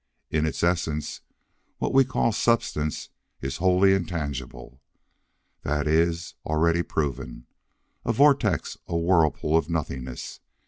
In its essence what we call substance is wholly intangible. That is already proven. A vortex! A whirlpool of nothingness!